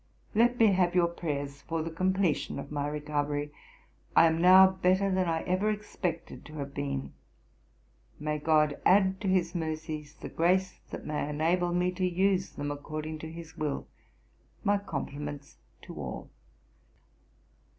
'Let me have your prayers for the completion of my recovery: I am now better than I ever expected to have been. May GOD add to his mercies the grace that may enable me to use them according to his will. My compliments to all.'